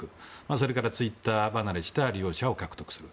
それからツイッター離れした利用者を獲得する。